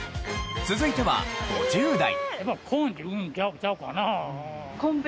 続いては５０代。